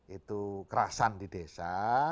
itu kerasan di desa